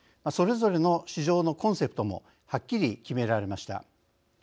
それぞれの市場のコンセプトもはっきり決められました。